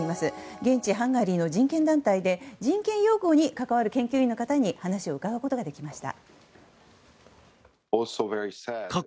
現地ハンガリーの人権団体で人権擁護に関わる研究員の方に話を伺うことができました。